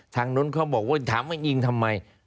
ทางนู้นเขาบอกว่าถามว่ายิงทำไม